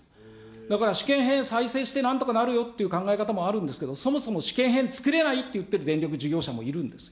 だから、試験片再生して、なんとかなるよという考え方もあるんですけど、そもそも試験片作れないって言ってる電力事業者もいるんです。